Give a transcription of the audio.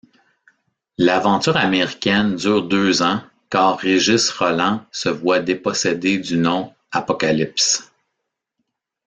L'aventure américaine dure deux ans car Régis Rolland se voit dépossédé du nom Apocalypse.